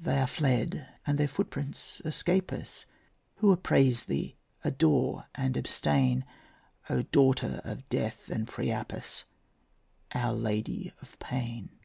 They are fled, and their footprints escape us, Who appraise thee, adore, and abstain, O daughter of Death and Priapus, Our Lady of Pain.